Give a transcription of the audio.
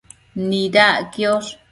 Nidac quiosh